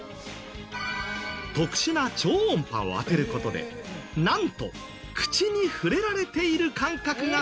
特殊な超音波を当てる事でなんと口に触れられている感覚がするのだという！